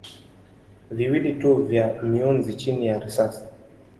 viwili tu vya mionzi chini ya risasi.